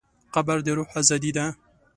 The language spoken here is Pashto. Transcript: قبر د روح ازادي ده.